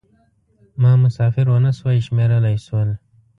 ما مسافر و نه شوای شمېرلای شول.